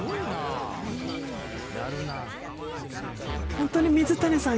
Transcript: ホントに水谷さん